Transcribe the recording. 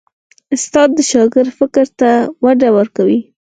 استاد د شاګرد فکر ته وده ورکوي.